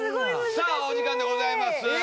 さぁお時間でございます。